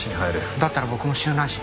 だったら僕も春蘭市に。